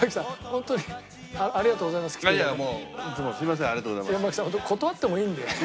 ホント断ってもいいんで。